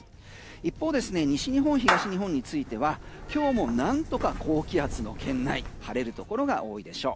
一方ですね西日本、東日本については今日もなんとか高気圧の圏内晴れるところが多いでしょう。